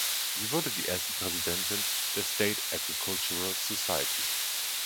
Sie wurde die erste Präsidentin der State Agricultural Society.